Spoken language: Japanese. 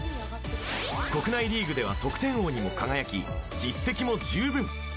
国内リーグでは得点王にも輝き実績も十分。